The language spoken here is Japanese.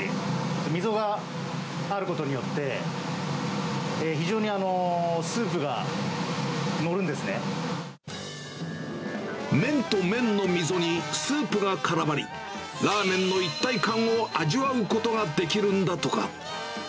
溝があることによって、麺と麺の溝にスープがからまり、ラーメンの一体感を味わうことができるんだとか。